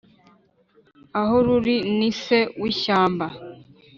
Aho ruri ni se w' ishyamba